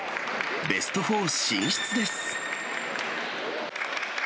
ベスト４進出です。